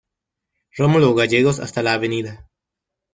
Romulo Gallegos hasta la Av.